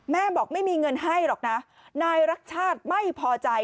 บอกไม่มีเงินให้หรอกนะนายรักชาติไม่พอใจ